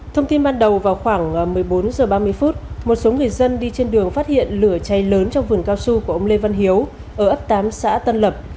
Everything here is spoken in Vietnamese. thông tin ban đầu vào khoảng một mươi bốn h ba mươi một số người dân đi trên đường phát hiện lửa cháy lớn trong vườn cao su của ông lê văn hiếu ở ấp tám xã tân lập